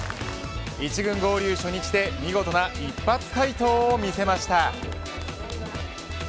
１軍合流初日で見事な一発を見せました。